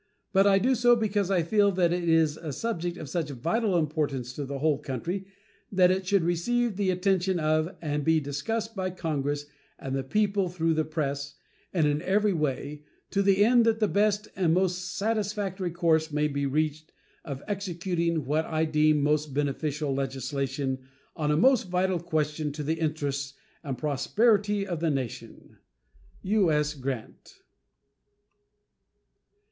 But I do so because I feel that it is a subject of such vital importance to the whole country that it should receive the attention of and be discussed by Congress and the people through the press, and in every way, to the end that the best and most satisfactory course may be reached of executing what I deem most beneficial legislation on a most vital question to the interests and prosperity of the nation. U.S. GRANT.